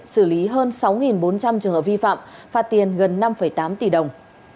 xử lý hơn sáu bốn trăm linh trường hợp vi phạm phạt tiền gần năm tám tỷ đồng